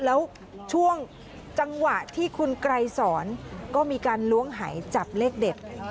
แล้วช่วงจังหวะที่คุณไกรสอนก็มีการล้วงหายจับเลขเด็ด